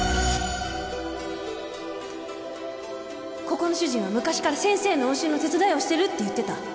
ここの主人は昔から先生の往診の手伝いをしてるって言ってた